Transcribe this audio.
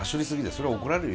それは怒られるよ。